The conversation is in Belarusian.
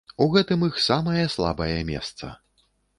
У гэтым іх самае слабае месца.